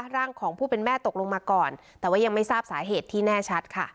ร่างของผู้เป็นแม่ตกลงมาก่อนแต่ว่ายังไม่ทราบสาเหตุที่แน่ชัดค่ะ